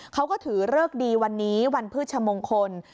เขาก็ถือเลิกดีวันนี้วันพืชมงคล